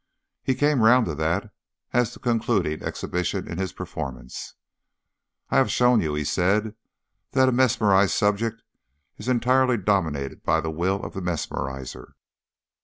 He came round to that as the concluding exhibition in his performance. "I have shown you," he said, "that a mesmerised subject is entirely dominated by the will of the mesmeriser.